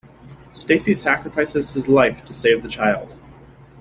Stacy sacrifices his life to save the child.